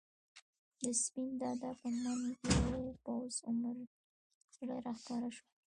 د سپين دادا په منګ یو پوخ عمر سړی راښکاره شو.